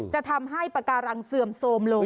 จะทำให้ปากการังเสื่อมโทรมลง